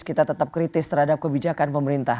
kita tetap kritis terhadap kebijakan pemerintah